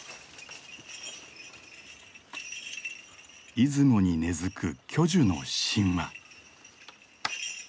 出雲に根づく巨樹の神話。